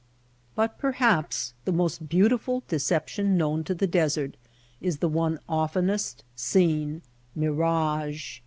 But perhaps the most beautiful deception known to the desert is the one oftenest seen — mirage.